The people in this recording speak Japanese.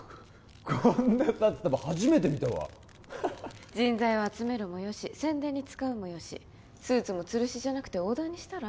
こんな札束初めて見たわ人材を集めるもよし宣伝に使うもよしスーツも吊るしじゃなくてオーダーにしたら？